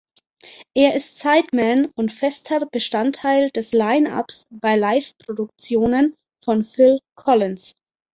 Er ist Sideman und fester Bestandteil des Line-ups bei Live-Produktionen von Phil Collins.